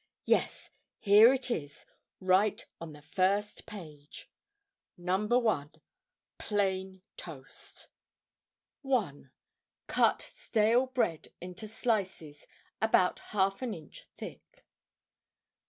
Yes, here it is, right on the first page: NO. 1. PLAIN TOAST. 1. Cut stale bread into slices, about ½ inch thick.